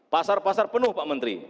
pasar pasar penuh pak menteri